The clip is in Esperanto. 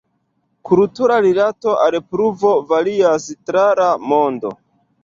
Kultura rilato al pluvo varias tra la mondo.